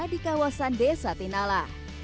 di kawasan desa tinala